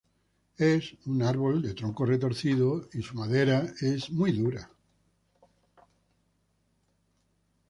Es un árbol de tronco retorcido y su madera es muy dura.